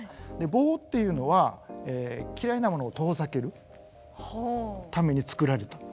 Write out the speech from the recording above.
棒っていうのは嫌いなものを遠ざけるためにつくられた。